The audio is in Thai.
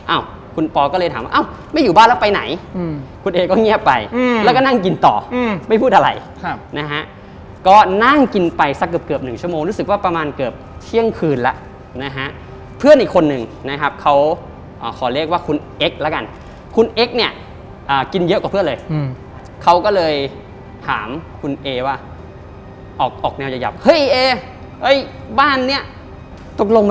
อ้าวคุณปอก็เลยถามว่าเอ้าไม่อยู่บ้านแล้วไปไหนคุณเอก็เงียบไปแล้วก็นั่งกินต่อไม่พูดอะไรนะฮะก็นั่งกินไปสักเกือบเกือบหนึ่งชั่วโมงรู้สึกว่าประมาณเกือบเที่ยงคืนแล้วนะฮะเพื่อนอีกคนนึงนะครับเขาขอเรียกว่าคุณเอ็กซ์แล้วกันคุณเอ็กซ์เนี่ยกินเยอะกว่าเพื่อนเลยเขาก็เลยถามคุณเอว่าออกออกแนวหยับเฮ้ยเอ้ยบ้านเนี้ยตกลง